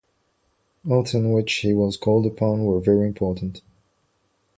Oaths in which he was called upon were very important.